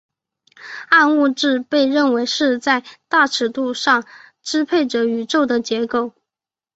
暗物质被认为是在大尺度上支配着宇宙的结构。